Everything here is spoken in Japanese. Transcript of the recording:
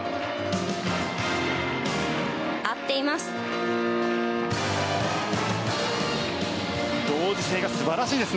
合っています。